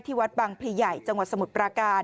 วัดบังพลีใหญ่จังหวัดสมุทรปราการ